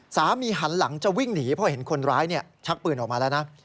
หันหลังจะวิ่งหนีเพราะเห็นคนร้ายชักปืนออกมาแล้วนะ